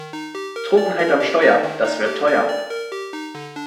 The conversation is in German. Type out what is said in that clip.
Trunkenheit am Steuer, das wird teuer!